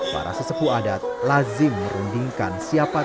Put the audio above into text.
para sesepu adat lazim merundingkan siapa